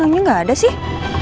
tapi nino nya gak ada sih